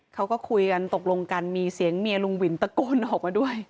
เขาก็คุยกันตกลงกันมีเสียงเมียลุงวินตะโกนออกมาด้วย